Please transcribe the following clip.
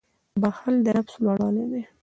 • بښل د نفس لوړوالی دی.